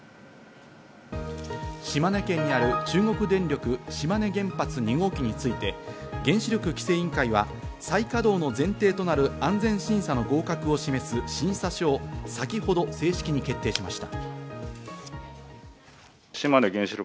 島根県にある中国電力島根原発２号機について原子力規制委員会は再稼働の前提となる安全審査の合格を示す審査書を先ほど正式に決定しました。